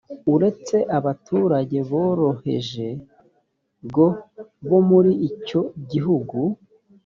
uretse abaturage boroheje g bo muri icyo gihugu